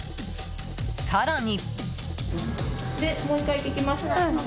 更に。